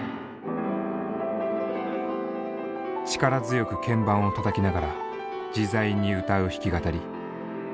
力強く鍵盤をたたきながら自在に歌う弾き語り。